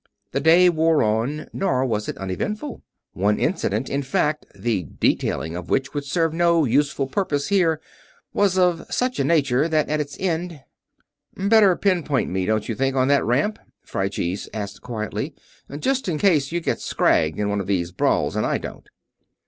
The day wore on, nor was it uneventful. One incident, in fact the detailing of which would serve no useful purpose here was of such a nature that at its end: "Better pin point me, don't you think, on that ramp?" Phryges asked, quietly. "Just in case you get scragged in one of these brawls and I don't?"